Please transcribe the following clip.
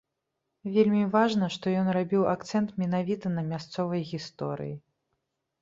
Вельмі важна, што ён рабіў акцэнт менавіта на мясцовай гісторыі.